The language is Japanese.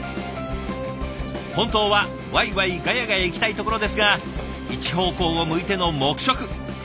本当はわいわいガヤガヤいきたいところですが一方向を向いての黙食。